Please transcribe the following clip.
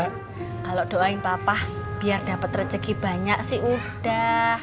kalo doain papa biar dapet rezeki banyak sih udah